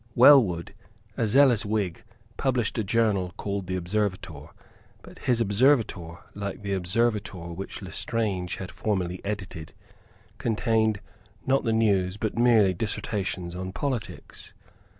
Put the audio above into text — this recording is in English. Welwood, a zealous Whig, published a journal called the Observator; but his Observator, like the Observator which Lestrange had formerly edited, contained, not the news, but merely dissertations on politics.